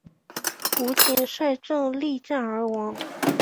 吴瑾率众力战而亡。